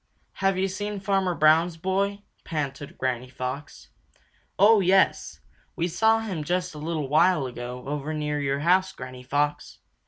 "Have you seen Farmer Brown's boy?" panted Granny Fox. "Oh, yes! We saw him just a little while ago over near your house, Granny Fox.